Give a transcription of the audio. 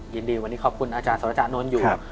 ยินดีวันนี้ขอบคุณอาจารย์สรจานนท์อยู่